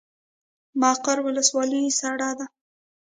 مقر ولسوالۍ سړه ده؟